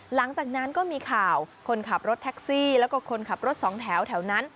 หลังจากนั้นก็มีข่าวคนขับรถแท็กซี่แล้วก็คนขับรถสองแถวนั้น